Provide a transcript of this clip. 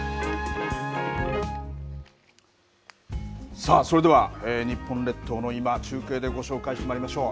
さあ、それでは、日本列島の今、中継でご紹介してまいりましょう。